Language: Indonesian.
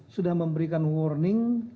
sudah memberikan warning